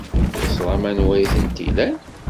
Teẓram anwa ay tent-ilan.